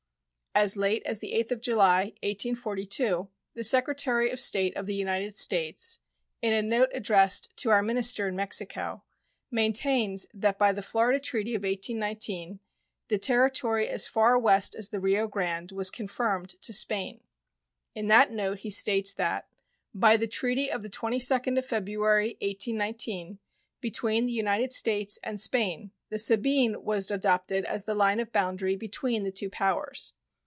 As late as the 8th of July, 1842, the Secretary of State of the United States, in a note addressed to our minister in Mexico, maintains that by the Florida treaty of 1819 the territory as far west as the Rio Grande was confirmed to Spain. In that note he states that By the treaty of the 22d of February, 1819, between the United States and Spain, the Sabine was adopted as the line of boundary between the two powers.